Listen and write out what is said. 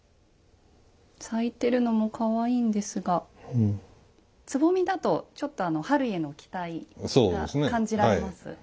咲いてるのもかわいいんですがつぼみだとちょっと春への期待が感じられます。